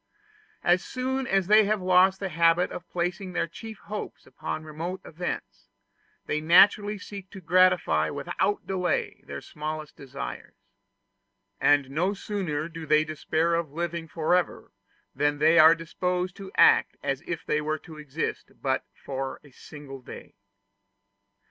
As soon as they have lost the habit of placing their chief hopes upon remote events, they naturally seek to gratify without delay their smallest desires; and no sooner do they despair of living forever, than they are disposed to act as if they were to exist but for a single day.